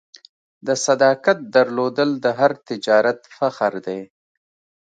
د صداقت درلودل د هر تجارت فخر دی.